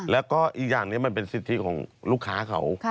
แล้วก็อีกอย่างนี้มันเป็นสิทธิของลูกค้าเขา